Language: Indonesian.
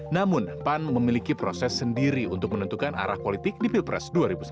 namun pan memiliki proses sendiri untuk menentukan arah politik di pilpres dua ribu sembilan belas